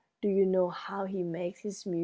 Do you know how he makes his music?"